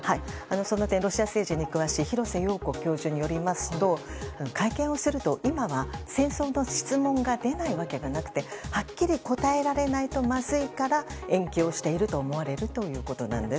その点、ロシア政治に詳しい廣瀬陽子教授によりますと会見をすると、今は戦争の質問が出ないわけがなくてはっきり答えられないとまずいから延期をしていると思われるということなんです。